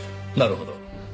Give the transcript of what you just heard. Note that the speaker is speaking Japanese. なるほど。